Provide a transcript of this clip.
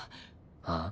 ああ？